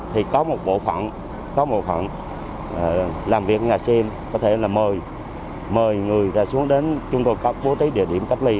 thì có một bộ phận làm việc nhà xe có thể là mời người ra xuống đến chúng tôi có bố tí địa điểm cách ly